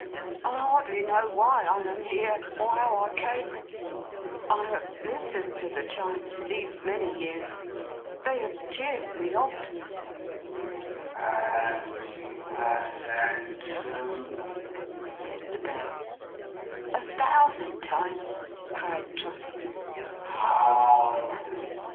'I hardly know why I am here, or how I came. I have listened to the Chimes these many years. They have cheered me often.' 'And you have thanked them?' said the Bell. 'A thousand times!' cried Trotty.